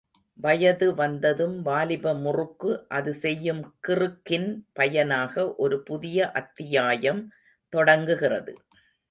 வயது வந்ததும் வாலிப முறுக்கு அது செய்யும் கிறுக்கின் பயனாக ஒரு புதிய அத்தியாயம் தொடங்குகிறது.